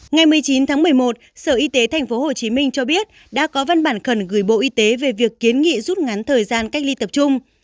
ngày một mươi chín tháng một mươi một sở y tế tp hcm cho biết đã có văn bản khẩn gửi bộ y tế về việc kiến nghị rút ngắn thời gian cách ly tập trung